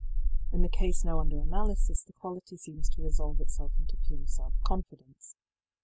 In the case now under analysis the quality seems to resolve itself into pure self confidence.